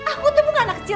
aku tuh bukan anak kecil